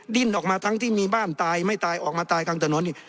ดิ้นออกมาทั้งที่มีบ้านตายไม่ตายออกมาตายกลางถนนนี่